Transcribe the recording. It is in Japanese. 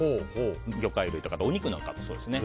魚介類とかお肉もそうですね。